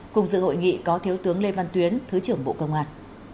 cùng dự hội nghị có thiếu tướng lê văn tuyến thứ trưởng bộ công an